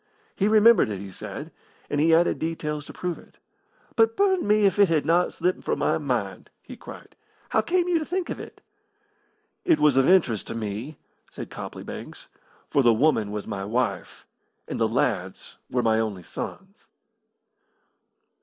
He remembered it, he said, and he added details to prove it. "But burn me if it had not slipped from my mind!" he cried. "How came you to think of it?" "It was of interest to me," said Copley Banks, "for the woman was my wife, and the lads were my only sons."